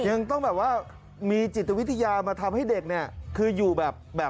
ยังต้องมีจิตวิทยามาทำให้เด็กคืออยู่แบบ